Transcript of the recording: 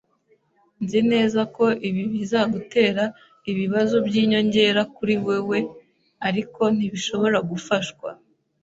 Nzi neza ko ibi bizagutera ibibazo byinyongera kuri wewe, ariko ntibishobora gufashwa.